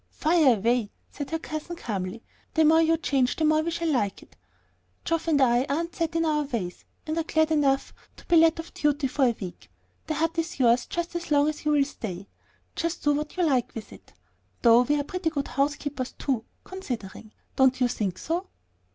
"Fire away!" said her cousin, calmly. "The more you change the more we shall like it. Geoff and I aren't set in our ways, and are glad enough to be let off duty for a week. The hut is yours just as long as you will stay; do just what you like with it. Though we're pretty good housekeepers too, considering; don't you think so?"